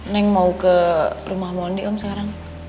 neng mau ke rumah mondi om sekarang